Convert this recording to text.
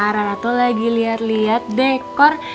rara tuh lagi liat liat dekor